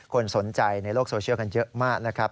คนสนใจในโลกโซเชียลกันเยอะมากนะครับ